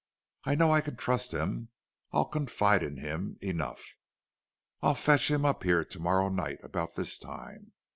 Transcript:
I know I can trust him. I'll confide in him enough. I'll fetch him up here tomorrow night about this time.